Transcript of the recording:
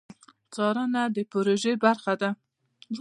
څارنه د پروژې برخه ده